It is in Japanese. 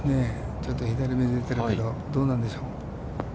ちょっと左めに出ているけど、どうなんでしょう。